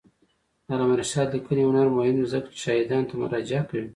د علامه رشاد لیکنی هنر مهم دی ځکه چې شاهدانو ته مراجعه کوي.